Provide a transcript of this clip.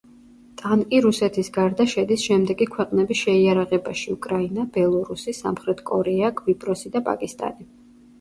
ტანკი რუსეთის გარდა შედის შემდეგი ქვეყნების შეიარაღებაში: უკრაინა, ბელორუსი, სამხრეთი კორეა, კვიპროსი და პაკისტანი.